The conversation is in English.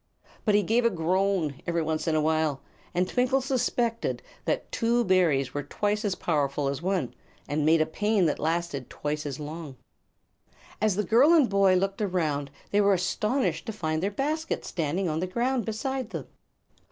But he gave a groan, every once in a while, and Twinkle suspected that two berries were twice as powerful as one, and made a pain that lasted twice as long. As the boy and girl looked around they were astonished to find their basket standing on the ground beside them.